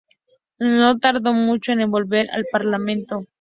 No tardó mucho en volver al Parlamento.